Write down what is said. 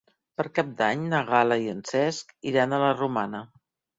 Per Cap d'Any na Gal·la i en Cesc iran a la Romana.